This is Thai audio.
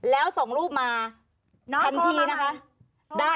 แล้วส่งรูปมาทันทีนะคะ